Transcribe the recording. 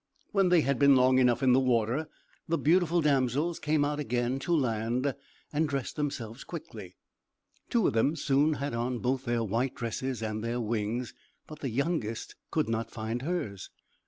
When they had been long enough in the water, the beautiful damsels came again to land, and dressed themselves quickly. Two of them soon had on both their white dresses and their wings; but the youngest could not find hers.